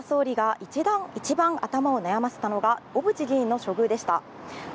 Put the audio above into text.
今回の人事で岸田総理が一番頭を悩ませたのが小渕議員の処遇でした。